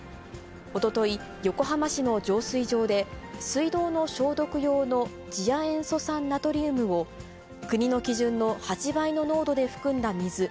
おととい、横浜市の浄水場で、水道の消毒用の次亜塩素酸ナトリウムを国の基準の８倍の濃度で含んだ水